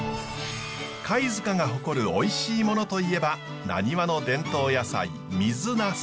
貝塚が誇るおいしいものといえばなにわの伝統野菜水なす。